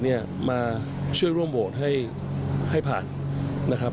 เนี่ยมาช่วยร่วมโหวตให้ให้ผ่านนะครับ